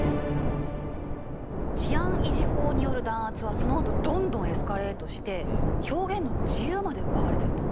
治安維持法による弾圧はそのあとどんどんエスカレートして表現の自由まで奪われちゃったの。